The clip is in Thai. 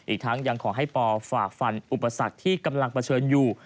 อีกทั้งยังขอให้ปอฝากฟันอุปสรรคที่กำลังเผชิญอยู่